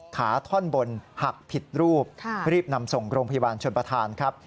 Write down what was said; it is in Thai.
ขาท่อนบนหักผิดรูปรีบนำส่งโรงพยาบาลชนประธานครับ